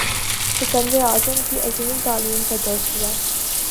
سکندر اعظم کی عظیم تعلیم کا درس لیا